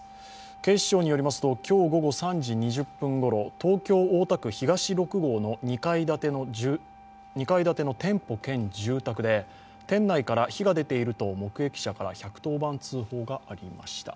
警視庁によりますと今日午後３時２０分ごろ東京・大田区東六郷の２階建ての店舗兼住宅で店内から火が出ていると目撃者から１１０番通報がありました。